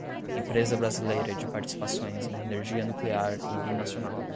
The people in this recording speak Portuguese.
Empresa Brasileira de Participações em Energia Nuclear e Binacional